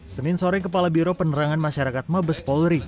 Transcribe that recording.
senin sore kepala biro penerangan masyarakat mabes polri